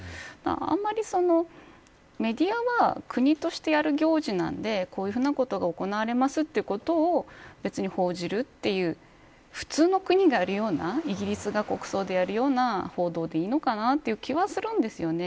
あんまりメディアは国としてやる行事なんでこういうふうなことが行われますということを別に報じるという普通の国でやるようなイギリスが国葬でやるような報道でいいのかなという気はするんですよね。